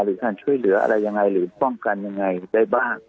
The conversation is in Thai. หรือการช่วยเหลืออะไรยังไงหรือป้องกันยังไงได้บ้าง